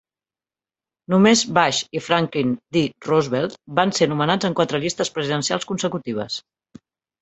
Només Bush i Franklin D. Roosevelt van ser nomenats en quatre llistes presidencials consecutives.